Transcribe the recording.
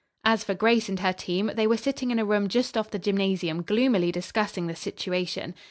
As for Grace and her team they were sitting in a room just off the gymnasium gloomily discussing the situation.